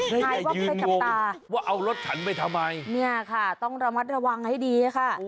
หายวับไปกับตาว่าเอารถฉันไปทำไมเนี่ยค่ะต้องระมัดระวังให้ดีค่ะ